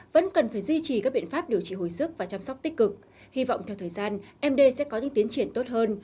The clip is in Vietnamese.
vẫn cần phải duy trì các biện pháp điều trị hồi sức và chăm sóc tích cực hy vọng theo thời gian md sẽ có những tiến triển tốt hơn